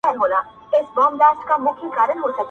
چاویل چي بم ښایسته دی ښه مرغه دی!.